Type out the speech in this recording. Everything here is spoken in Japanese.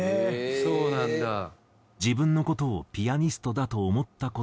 そうなんや。